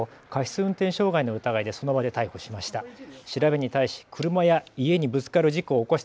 運転傷害の疑いでその場で逮捕しました。